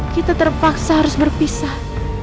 kita terpaksa harus berpisah